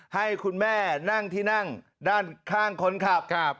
ให้คุณแม่นั่งที่นั่งด้านข้างคนขับ